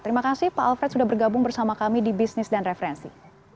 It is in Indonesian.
terima kasih pak alfred sudah bergabung bersama kami di bisnis dan referensi